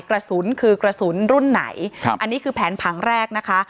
กระสุนคือกระสุนรุ่นไหนครับอันนี้คือแผนผังแรกนะคะ